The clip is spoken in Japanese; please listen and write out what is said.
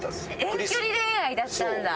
遠距離恋愛だったんだ。